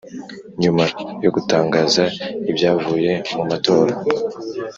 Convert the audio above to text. Nyuma yo gutangaza ibyavuye mu matora